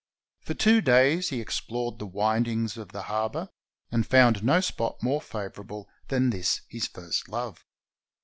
For two days he explored the windings of the harbor and found no spot more favorable than this his first love.